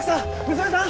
娘さん？